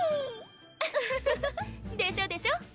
ウフフでしょでしょ？